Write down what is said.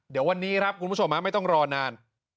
เดี๋ยววันนี้ครับคุณผู้ชมไม่ต้องรอนาน